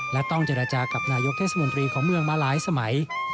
และต้องเจรจากับนายกเทศมนตรีของเมืองมาหลายสมัย